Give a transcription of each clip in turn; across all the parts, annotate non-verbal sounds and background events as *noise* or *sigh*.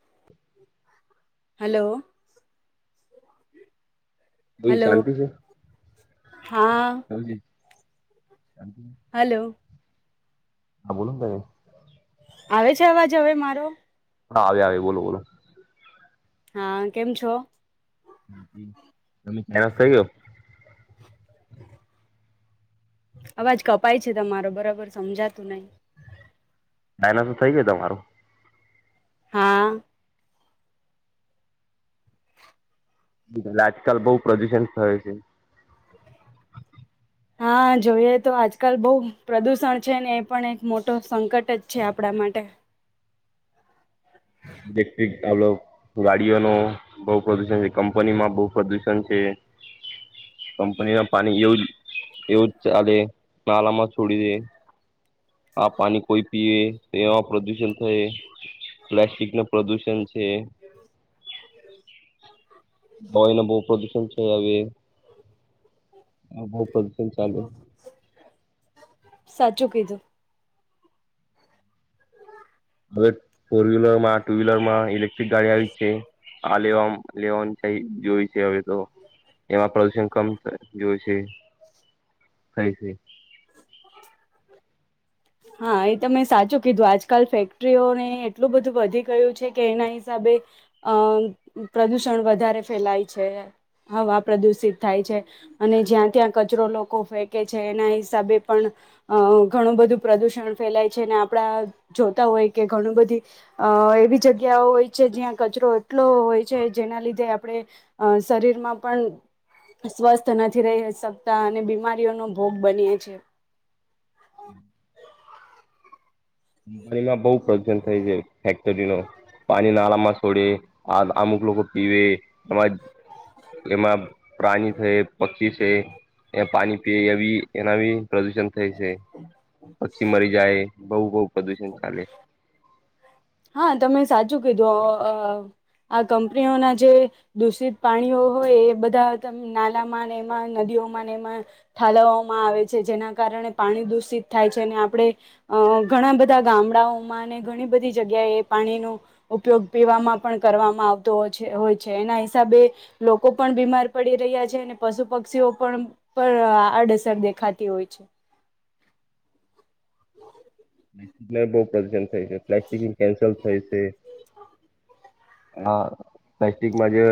*unintelligible* Hello. Hello હા *unintelligible* hello. હા *inaudible* આવે છે, અવાજ હવે મારો. હા આવે આવે બોલો બોલો. હા કેમ છો. *inaudible* અવાજ કપાય છે, તમારો બરાબર સમજાતું નહી. *unintelligible* થઈ ગયો *unintelligible* હા. *unintelligible* આજકાલ બહુ પ્રદુષણ *unintelligible* છે. હા જોઈએ તો આજકાલ બહુ પ્રદુષણ છે, ને એ પણ એક મોટો સંકટ જ છે આપણા માટે. ઇલેક્ટ્રિકલો ગાડીઓ ન બહ પ્રદુષણ છે, કંપની માં બહુ પ્રદુષણ છે. કંપની ના પાણી એવું એવુંજ ચાલે. *unintelligible* છોડી દે. આ પાણી કોઈ પીએ તો એમાં પ્રદુષણ થાય પ્લાસ્ટિક. ન પ્રદૂષણ છે. ભઈ ના બહુ પ્રદુષણ છે, હવે. *unintelligible* *unintelligible* હવે ફોર વ્હીલર માં ટુ વ્હીલર માં ઇલેક્ટ્રિક ગાડી આવી છે. હા લેવા લેવાનું *unintelligible* જોય છે, હવે તો. એમાં પ્રદુષણ કમ જોય છે થાય છે. હા એ તમે સાચું કીધું આજકાલ ફેક્ટરીઓને એટલું બધું વધી ગયું છે, કે એના હિસાબે. અમ પ્રદુષણ વધારે ફેલાય છે, હવા પ્રદુષિત થાય છે. અને જ્યાં ત્યાં કચરો લોકો ફેંકે છે, એના હસાબે પણ ઘણું બધું પ્રદુષણ ફેલાય છે અને આપણા જોતા હોય કે ઘણું બધું. એવી જગ્યાઓ હોય છે, જ્યાં કચરો એટલો હોય છે, જેના લીધે આપણે શરીર માં પણ સ્વસ્થ નથી રહી શકતા અને બીમારીઓનોો ભોગ બની. પ છે અંપાની માં બહુ પ્રશન થાય છે ફેક્ટરી ન પાણી નાળામાં છોડે આ અમુક લોકો પીવે એમાં એમાં પ્રાણી છે પક્ષી છે એ પાણી પી એ એના પ્રદૂષણ થાય છે પક્ષી મરી જાય બહ બહુ પ્રદુષણ ચાલે હા તમે સાચું કીધું આ કંપનીઓના જે દૂષિત પાણીઓ હોય એ બધા ત નાલામાં અને એમાં નદી ઠાલવવામાં આવે છે જેના કારણે પાણી દૂષિત થાય છે અને આપણે ઘણા બધા ગામડાઓમાં ઘણી બધી જગ્યા એ પાણીનો ઉપયોગ પીવામાં પણ કરવામાં આવતો હોય છે એના હિસાબે લોકો પણ બીમાર પડી રહ્યા છે અનેને પશુ પક્ષીઓ પણ પણ આડઅસર દેખાતી હોય છે બ પ્રદુશણ થાય છે્ કેન્લ થાય છે હા પ્લાસ્ટિકમાં જે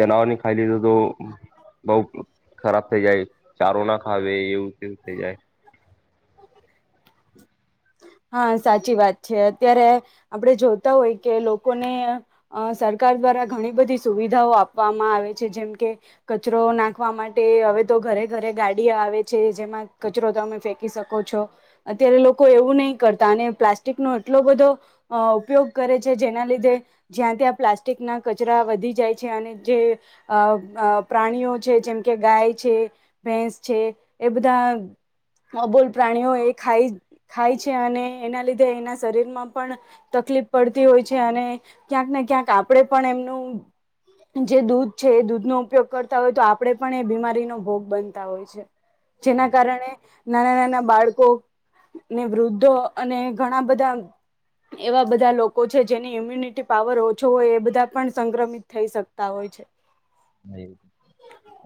જનાવરની ખાઈ લીધું બઉ ખરાબ થઇ જાય ચારો ના ખાવે એવું કેવું થઇ જાય હ હા સાચી વાત છે અત્યારે આપણે જોતા હોય કે લોકોને સરકાર દ્વારા દ્વારા ઘણી બધી સુવિધાઓ આપવામાં આવે છે જેમ કે કચરો નાખવા માટે હવે તો ઘરે ઘરે ગાડીઓ આવે છે જેમાં કચરો તમે ફેંકી શકો છો અત્યારે લોકો એવું નહીં કરતા અને પ્લાસ્ટિક નો એટલો બધો ઉપયોગ કરે છે જેના લીધે જ્યાં ત્યાં પ્લાસ્ટિક ના કચરા વધી જાય છે અને જે પ્રાણીઓ છે જેમ કે ગાય છે ભેસ છે એ બધા અબોલ પ્રાણીઓ એ ખાઈ ખાય છે અને એના લીધે એના શરીર માં પણ તકલીફ પડતી હોય છે અને ક્યાંક ને ક્યાંક આપડે પણ એમનું જે દૂધ છે એ દૂધનોો ઉપયોગ કરતા હોય તો આપડે પણ એ બીમારીનો ભોગ બનતા હોય છે જેના કારણે નાના નાના બાળકો ને વૃદ્ધો અને ઘણા બધા એવા બધા લોકો છે જેની ઇમ્યુનિટી પાવર ઓછો હોય એ બધા પણ સંક્રમિત થઈ શકતા હોય છે એ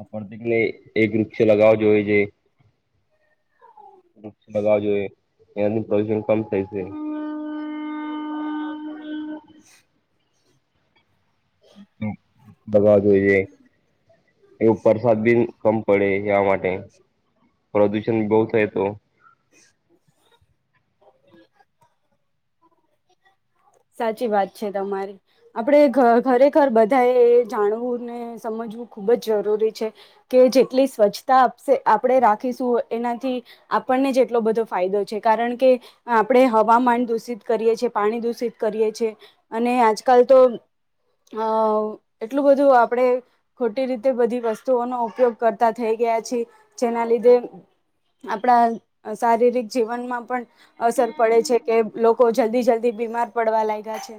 આપ તોટલે એક વૃક્ષ લગાવ જોએ છે વૃક્ષ લગાવવા જોઈએ એના પ્રદુષણ કમ થાય છે દબવા જોઈ છે એ ઉપર સર્વિસ કમ પડે ગામ માટે પ્રદૂષણ બહુત એ તો સાચી વાત છે તમારી આપડે ખરેખર બધા એ એ જાણવું ને સમજ ખૂબ જ જરૂરી છે કે જેટલી સ્વચ્છતા આપણેે રાખીશું એનાથી આપણને જ એટલો બધો ફાયદો છે કારણ કે આપણે હવામાન દૂષિત કરીએ છીએ પાણી દૂષિત કરીએ છે અને આજકાલ તો અ એટલું બધું આપણેે ખોટી રીતે બધી વસ્તુઓનોો ઉપયોગ કરતા થઈ ગ ગયા છેી જેના લીધે આપણા શારીરિક જીવનમાં પણ અસર પડે છે કે લોકો જલ્દી જલ્દી બીમાર પડવા લાગ્યા છે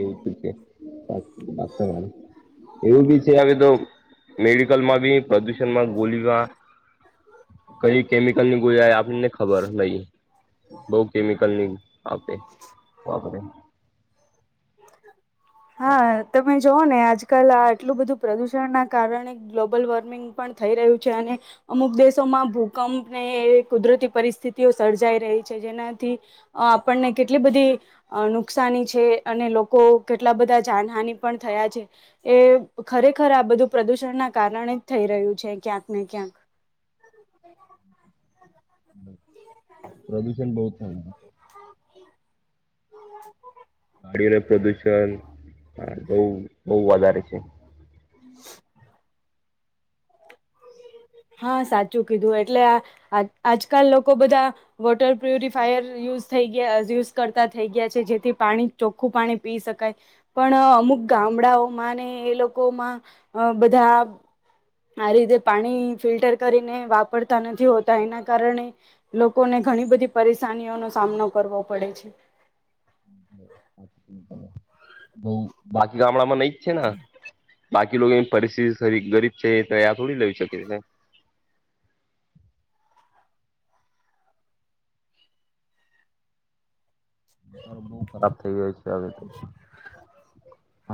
એવું છે એવું બી છે હવે તો મેડિકલ માં બી પ્રદુષણમાં ગોલીમાં કઈ કેમિકલ ની ગોજાય આપનેને ખબર લઈ બઉ કેમિકલ ની આપે વાપરે હા તમે જોવ ને આજકાલ આ આટલું બધું પ્રદુષણ ના કારણે ગ્લોબલ વોર્મિંગ પણ થઈ રહ્યું છે અને અમુક દેશોમાં ભૂકંપને કુદરતી પરિસ્થિતિઓ સર્જાઈ રહી છે જેનાથી આપણને કેટલી બધી નુકસાની છે અને લોકો કેટલા બધા જાનહાની પણ થયા છે એ ખરેખર આ બધું પ્રદુષણના ના કારણે જ થઈ રહ્યું છે ક્યાંક ને ક્યાંક *inaudible* હ *unintelligible* ગડીઓ પ્રદુષણ બહુ બહુ વધારે છે *unintelligible* હા સાચું કીધું એટલે આજકાલ લોકો બધા વોટર પ્યુરિફાયરય ય કરતા થ ગયા છે જેથી પાણી ચોખ્ખું પાણી પી શકાય પણ અમુક ગામડાઓમાં ને એ લોકોમાં બધા આ રીતે પાણી ફિલ્ટર કરીને વાપરતા નથી હોતા એના કારણે લોકોને ઘણી બધી પરેશાનીઓનો સામનો કરવો પડે છે *inaudible* બ બાકી ગામડામાં નઈ જ છે ને બાકી ની પરિસ્થિતિ ગરીબ છે એ આ થોડી લે શકે છે *inaudible* માતારણ બહુ ખરાબ થઈ ગય છે હવે તો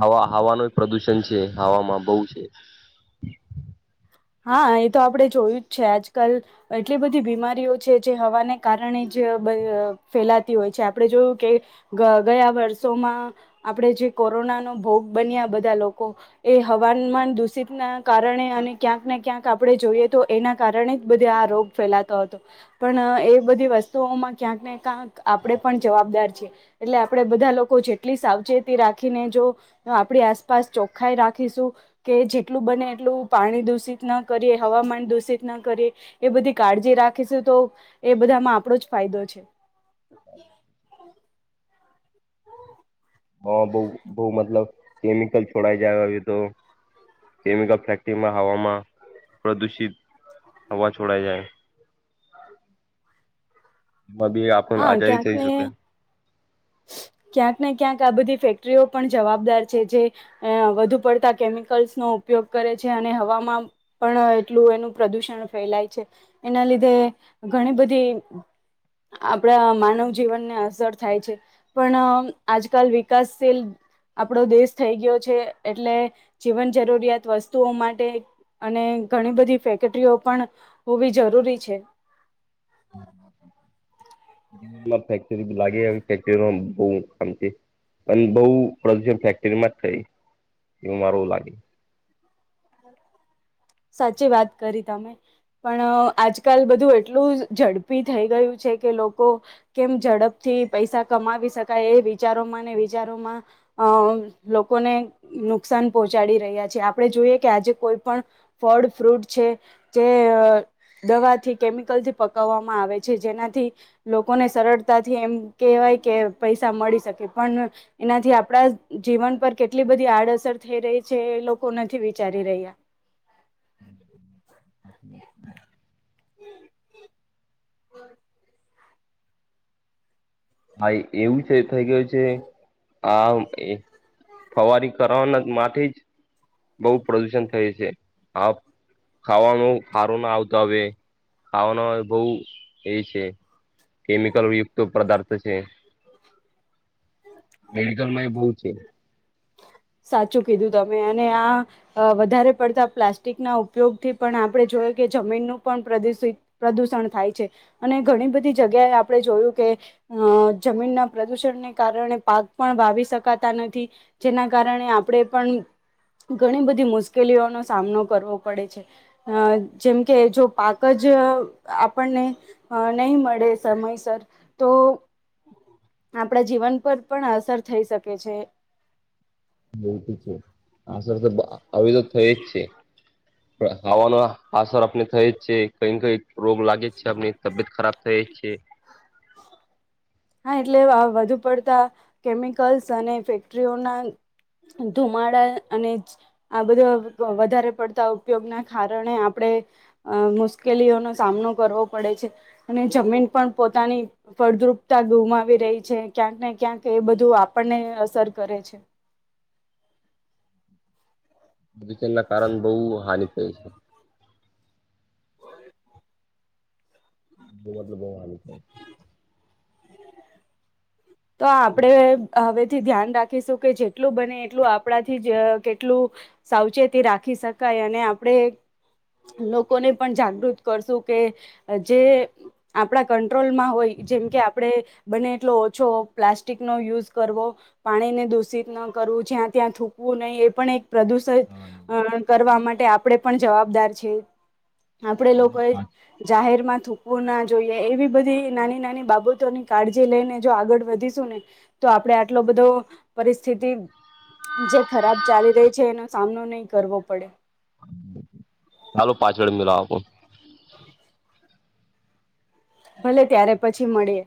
હવા હવાનું પ્રદુષણ છે હવામાં બહુ છે હા એ તો આપણે જોયું જ છે આજકાલ એટલી બધી બીમારીઓ છે જે હવાને કારણે જ જે ફેલાતી હોય છે આપણે જોયું કે ગયા વર્ષોમાં આપણે જે કોરોના નો ભોગ બન્યા બધા લોકો એ હવામાન દૂષિત ના કારણે અને ક્યાંક ને ક્યાંક આપડણે જોઈએ તો એના કારણે જ બધે આ રોગ ફેલાતો હતો પણ એ બધીત ઉસવ મા ક્યાંક ને ક્યાંક આપે પણ જવાબદાર છે એટલે આપે બધા લોકો જેટલી સાવચેતી રાખીને જો આપણી આસપાસ ચોખ્ખાાઈ રાખીશું કે જેટલું બને એટલું પાણી દુષિત ન કરી એ હવામાન દૂષિત ના કરી એ બધી કાળજી રાખીશું તો એ બધામાં આપ જ ફાયદો છે *inaudible* હા બહુ બઉ મતલબ કેમિકલ છોડાઈ જાય હ તો કેમિકલ ફેક્ટરીમાં હવામાં પ્રદુષિત આવાજ છોડાય જાય એમાં બી આપણ હા આઝાદી ક્યાંક થઈ ને શકે *inaudible* ક્યાંક ને ક્યાંક આ બધી ફેક્ટરીઓ પણ જવાબદાર છે જે વધુ પડતા કેમિકલ્સ નો ઉપયોગ કરે છે અને હવામાં પણ એટલું એનું પ્રદૂષણ ફેલાય છે એના લીધે ઘણી બધી આપડા માનવ જીવનને અસર થાય છે પણ આજકાલ વિકાસશીલ આપણો દેશ થઈ ગયો છે એટલે જીવન જરૂરિયાત વસ્તુઓ માટે અને ઘણી બધી ફેક્ટરીઓ પણ હોવી જરૂરી છે *inaudible* ના ફેક્ટરી લાગે ફેક્ટરીમાં બઉ કામ છે અને બહુ પ્રદૂષણ ફેક્ટરીમાં જ થઈ એવું મારવ લાગે સાચી વાત કરી તમે પણ આજકાલ બધું એટલું ઝડપી થઈ ગયું છે કે લોકો કેમ ઝડપથી થી પૈસા કમાવી શકાય એ વિચારોમાં વિચારોમાં અ લોકોને નુકસાન પહોંચાડી રહ્યા છે આપણે જોઈએ આજે કોઈ પણ ફળ ફ્રૂટ છે જે દવાથી કેમિકલ થી પક આવે છે જેનાથી લોકોને સરળતાથી એમ કવાય કે પૈસા મળી શકે પણ એનાથી આપડા જીવન પર કેટલી બધી આડઅસર થઈ રહી છે એ લોકો નથી વિચારી રહહી્યા *unintelligible* હાઈ એવું છે થઈ ગું છે આ ફવારી કરવાના માટે જ બહુ પ્રદુષણ થય છે આ ખાવાનો સારો ના આવતો હવે ખાવાનો બહુ એ છે કેમિકલ યુક્ત, પદાર્થ છે. બહુ છે સાચું કીધું, તમે અને આ વધારે પડતા પ્લાસ્ટિકના ઉપયોગથી, પણ આપણે જો કે જમીનનું પણ પ્રદુષિત પ્રદુષણ થાય છે, અને ઘણી બધી જગ્યાએ, આપણે જોયું કે અ જમીનના પ્રદુષણને કારણે, પાક પણ વાવી શકાતા નથી, જેના કારણે, આપણે પણ ઘણી બધી મુશ્કેલીઓનો સામનો કરવો પડે છે, અ જેમ કે જો પાક જ આપણને નહી, મળે સમયસર તો *inaudible* આપણા જીવન, પર પણ અસર થઈ, શકે છે. બલ છે, આ સર તો હવે તો થઈ જ, છે. આવાનો આસર આપને થઈ જ છે, કઈ, કઈ રોગ લાગે છેમની તબિયત ખરાબ થઈ છે. હા એટલે વધુ પડતા કેમિકલ્સ, અને ફેક્ટરીઓના ધુમાડા અને આ બધો વધારે પડતા ઉપયોગના કારણે, આપણે મુશ્કેલીઓનોો સામનો કરવો પડે છે, અને જમીન પણ પોતાની ફળદ્રુપ ગુમાવી રહી છે, ક્યાંક ને ક્યાંક એ બધું આપણને અસર કરે છે. *unintelligible* ના કારણે બહુ હાન, થય છે બ, મતલબ બુ *unintelligible* તો આપડણે હવેથી, ધ્યાન રાખીશું કે જેટલું બને એટલું આપણાથી જ કેટલું સાવચેતી રાખી શકાય, અને આપડે લોકોને પણ જાગૃત કરશું, કે જે આપણા કંટ્રોલમાં હોય. જેમ કે આપડે, બને એટલો. ઓછો પ્લાસ્ટિકનો યુઝ કરવો પાણીને દૂષિત ન કરવું, જ્યાં ત્યાં થૂકવું નહીં, એ પણ એક પ્રદુષિત કરવા માટે આપણેે, પણ જવાબદાર છે. આપડે લોકો એ જાહેર મા થૂકવુંના જોઈએ, એવી બધી નાની, નાની બાબતોની કાળજી લઈને જો આગળ વધીશું ને, તો આપડે આટલો બધો પરિસ્થિતિ જે ખરાબ ચાલી રહી છે, એનો સામનો નહી, કરવો પડે ચાલો પાછળ, મિલા આપો ભલે ત્યારે પછી, મળે